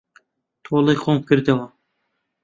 تۆڵەی خۆم کردەوە.